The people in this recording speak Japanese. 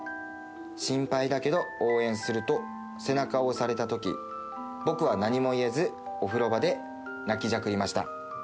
心配だけど応援すると、背中を押されたとき、僕は何も言えず、お風呂場で泣きじゃくりました。